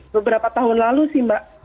beberapa tahun lalu sih mbak